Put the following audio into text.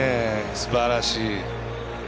すばらしい。